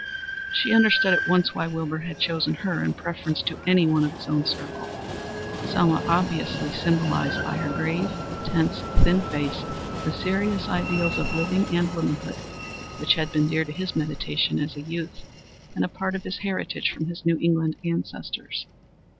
She understood at once why Wilbur had chosen her in preference to any one of his own circle. Selma obviously symbolized by her grave, tense, thin face the serious ideals of living and womanhood, which had been dear to his meditation as a youth and a part of his heritage from his New England ancestors.